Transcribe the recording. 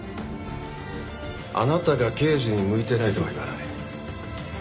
あなたが刑事に向いてないとは言わない。